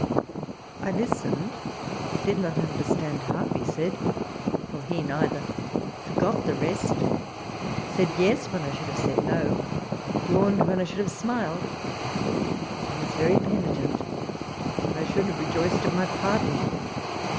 I listened, did not understand half he said (nor he neither), forgot the rest, said Yes when I should have said No, yawned when I should have smiled, and was very penitent when I should have rejoiced at my pardon.